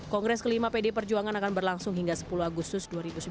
kongres kelima pd perjuangan akan berlangsung hingga sepuluh agustus dua ribu sembilan belas